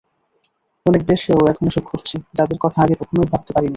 অনেক দেশেও এখন এসব ঘটছে, যাদের কথা আগে কখনোই ভাবতে পারিনি।